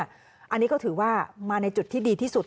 อันนี้ก็ถือว่ามาในจุดที่ดีที่สุด